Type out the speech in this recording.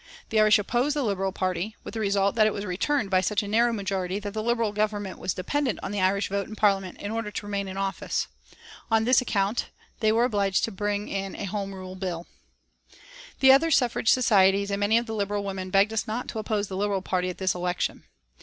The Irish opposed the Liberal Party, with the result that it was returned by such a narrow majority that the Liberal Government was dependent on the Irish vote in Parliament in order to remain in office. On this account they were obliged to bring in a Home Rule Bill. The other suffrage societies and many of the Liberal women begged us not to oppose the Liberal party at this election.